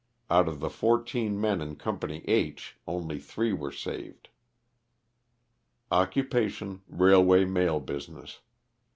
Out of fourteen men in Company H only three were saved. Occupation, railway mail business.